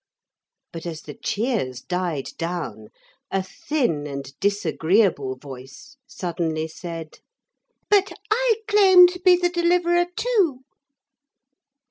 But as the cheers died down, a thin and disagreeable voice suddenly said: 'But I claim to be the Deliverer too.'